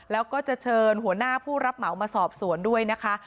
แล้วก็จะเชิญหัวหน้าผู้รับเหมามาสอบสวนด้วยนะคะ